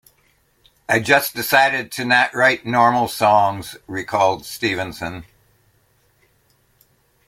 "I just decided to not write normal songs", recalled Stevenson.